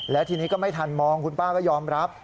และทีนี้ก็ไม่ทันมองคุณป้าก็ยอมรับ